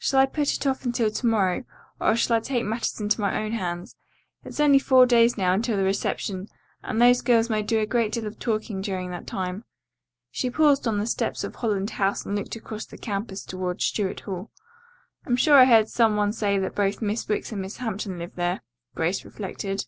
"Shall I put it off until to morrow or shall I take matters into my own hands? It's only four days now until the reception, and those girls may do a great deal of talking during that time." She paused on the steps of Holland House and looked across the campus toward Stuart Hall. "I'm sure I heard some one say that both Miss Wicks and Miss Hampton live there," Grace reflected.